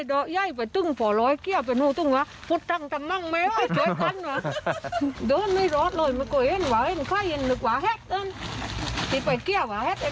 เดินไม่รอดเลย